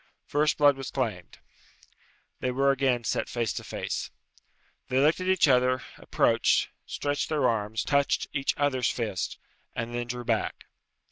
First blood was claimed. They were again set face to face. They looked at each other, approached, stretched their arms, touched each other's fists, and then drew back.